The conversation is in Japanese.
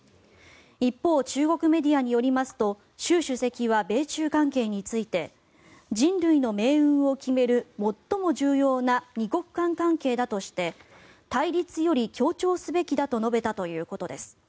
一方、中国メディアによりますと習主席は米中関係について人類の命運を決める最も重要な２国間関係だとして対立より協調すべきだと述べたということです。